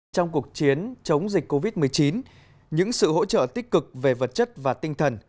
trong cuộc chiến chống dịch covid một mươi chín những sự hỗ trợ tích cực về vật chất và tinh thần